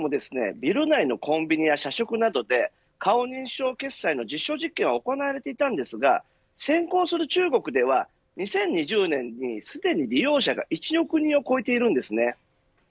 ビル内のコンビニや社食などで顔認証決済の実証実験は行われていたんですが先行する中国では、２０２０年にすでに利用者が１億人を超えているんですね。